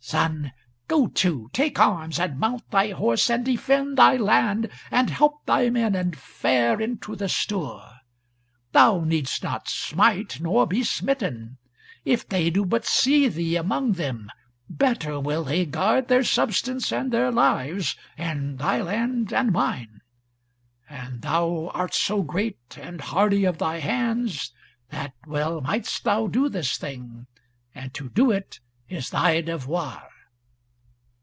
Son, go to, take arms, and mount thy horse, and defend thy land, and help thy men, and fare into the stour. Thou needst not smite nor be smitten. If they do but see thee among them, better will they guard their substance, and their lives, and thy land and mine. And thou art so great, and hardy of thy hands, that well mightst thou do this thing, and to do it is thy devoir."